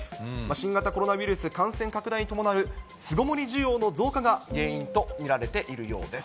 新型コロナウイルス感染拡大に伴う巣ごもり需要の増加が原因と見られているようです。